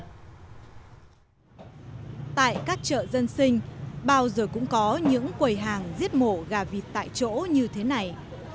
tại các chợ dân sinh bao giờ cũng có những quầy hàng giết mổ gà vịt tại chỗ như thế này